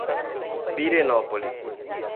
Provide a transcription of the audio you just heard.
Pirenópolis